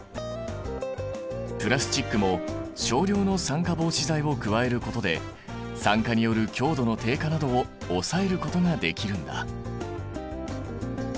プラスチックも少量の酸化防止剤を加えることで酸化による強度の低下などを抑えることができるんだ。